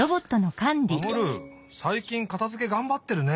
マモルさいきんかたづけがんばってるね。